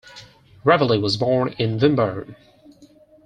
Ravelli was born in Vimmerby.